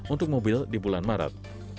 untuk mobil di bulan maret